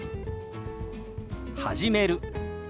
「始める」。